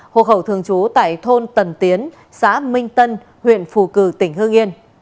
hồ hậu thường trú tại thôn tần tiến xã minh tân huyện phù cử tỉnh hương yên